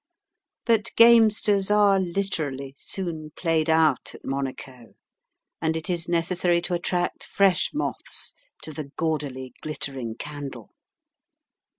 But gamesters are, literally, soon played out at Monaco, and it is necessary to attract fresh moths to the gaudily glittering candle.